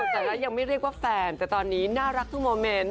แต่ว่ายังไม่เรียกว่าแฟนแต่ตอนนี้น่ารักทุกโมเมนต์